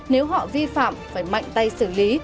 nếu họ vi phạm phải mạnh tay xử lý